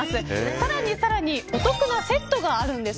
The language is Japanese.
さらにさらにお得なセットがあるんです。